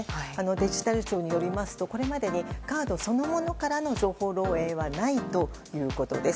デジタル庁によりますとこれまでにカードそのものからの情報漏洩はないということです。